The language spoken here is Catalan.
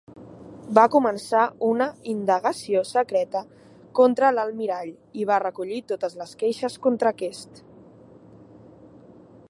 Va començar una indagació secreta contra l'Almirall i va recollir totes les queixes contra aquest.